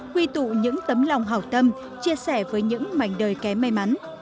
quy tụ những tấm lòng hào tâm chia sẻ với những mảnh đời kém may mắn